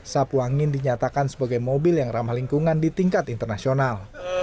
sapu angin dinyatakan sebagai mobil yang ramah lingkungan di tingkat internasional